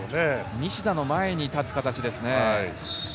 西田の前に立つ形でしょうね。